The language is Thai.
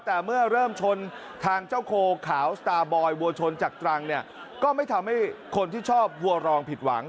แต่เมื่อเริ่มชนทางเจ้าโคขาวสตาร์บอยวัวชนจากตรังเนี่ยก็ไม่ทำให้คนที่ชอบวัวรองผิดหวัง